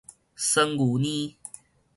酸牛奶